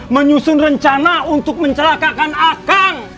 menyusun rencana untuk mencelakakan akang